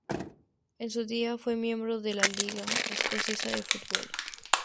En su día fue miembro de la Liga escocesa de fútbol.